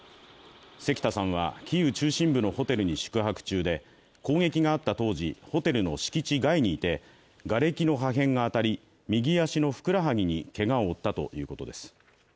関田さんはキーウ中心部のホテルに宿泊中で攻撃があった当時、ホテルの敷地外にいてがれきの破片が当たり右足のふくらはぎにけがを負ったということです。